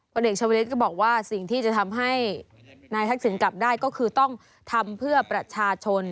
เด็กชาวลิศก็บอกว่าสิ่งที่จะทำให้นายทักษิณกลับได้ก็คือต้องทำเพื่อประชาชน